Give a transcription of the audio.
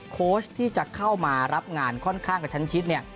โค้ชที่จะเข้ามารับงานค่อนข้างกระชั้นชิดเนี่ย